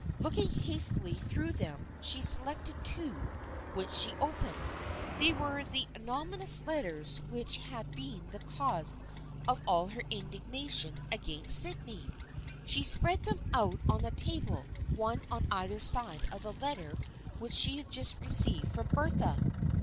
Looking hastily through them she selected two, which she opened. They were the anony mous letters which had been the cause of all her indignation against Sydney. She spread them out on the table, one on either side of the letter which she had just received from Bertha.